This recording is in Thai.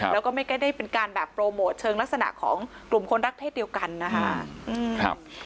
แล้วก็ไม่ได้เป็นการแบบโปรโมทเชิงลักษณะของกลุ่มคนรักเพศเดียวกันนะครับ